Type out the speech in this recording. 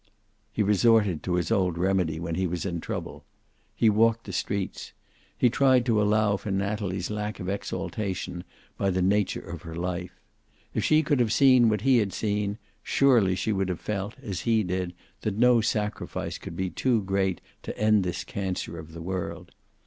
He resorted to his old remedy when he was in trouble. He walked the streets. He tried to allow for Natalie's lack of exaltation by the nature of her life. If she could have seen what he had seen, surely she would have felt, as he did, that no sacrifice could be too great to end this cancer of the world.